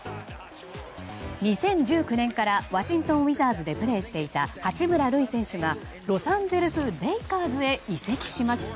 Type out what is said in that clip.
２０１９年からワシントン・ウィザーズでプレーしていた八村塁選手がロサンゼルス・レイカーズに移籍します